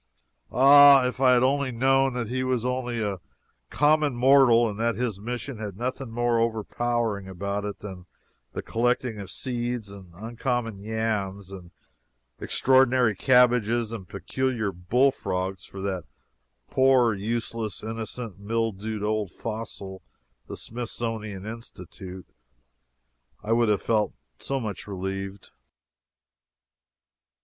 Ah, if I had only known then that he was only a common mortal, and that his mission had nothing more overpowering about it than the collecting of seeds and uncommon yams and extraordinary cabbages and peculiar bullfrogs for that poor, useless, innocent, mildewed old fossil the Smithsonian Institute, I would have felt so much relieved.